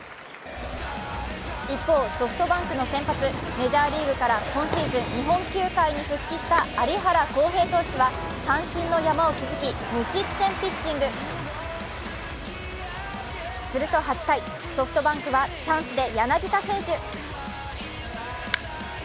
一方、ソフトバンクの先発、メジャーリーグから今シーズン日本球界に復帰した有原航平選手は三振の山を築き、無失点ピッチングすると８回、ソフトバンクはチャンスで柳田選手。